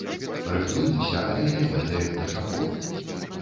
Рыхтуемся, але не ведаем, да чаго.